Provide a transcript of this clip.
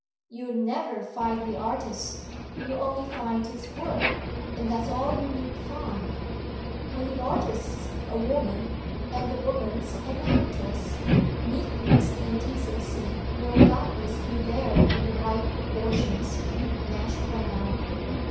"You never find the artist you only find his work, and that's all you need find. When the artist's a woman, and the woman's an actress, meekness and decency will doubtless be there in the right proportions," Nash went on.